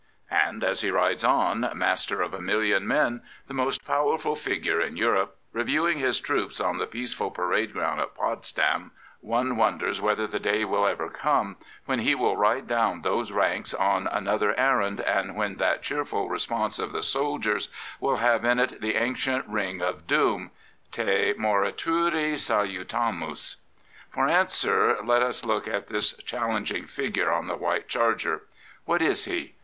And as he rides on, master of a million men, the most powerful figure in Europe, reviewing his troops on the peaceful parade ground at Potsdam, one wonders whether the day will ever come when he will ride down those ranks on another errand, and when that cheerful response of the soldiers will have in it the ancient ring of doom —" Te morituri salutamus." 63 Prophets, Priests, and Kings For answer, let us look at this challenging figure on the white charger. What is he?